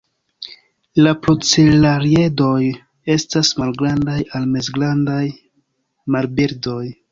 La procelariedoj estas malgrandaj al mezgrandaj marbirdoj.